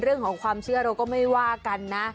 เรื่องของความเชื่อเราก็ไม่ว่ากันนะ